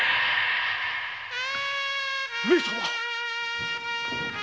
上様！